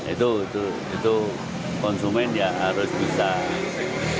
itu konsumen ya harus bisa